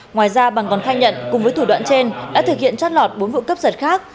ngoài ra bằng còn khai nhận cùng với thủ đoạn trên đã thực hiện trót lọt bốn vụ cấp giật khác